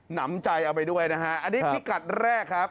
หนำใจเอาไปด้วยนะฮะอันนี้พิกัดแรกครับ